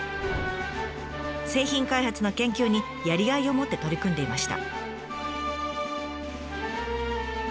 製品開発の研究にやりがいを持って取り組んでいました。